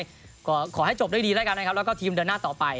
ก็ขอให้จบด้วยดีแล้วกันนะครับแล้วก็ทีมเดินหน้าต่อไป